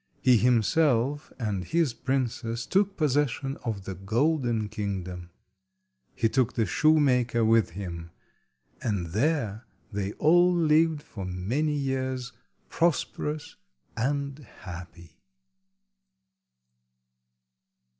He himself and his princess took possession of the golden kingdom. He took the shoemaker with him, and there they all lived for many years prosperous and happy.